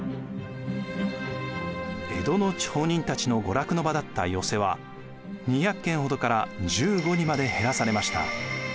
江戸の町人たちの娯楽の場だった寄席は２００軒ほどから１５にまで減らされました。